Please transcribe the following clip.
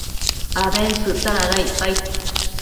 abentsëcta dada icpaid